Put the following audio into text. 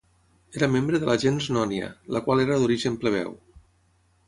Era membre de la gens Nònia, la qual era d'origen plebeu.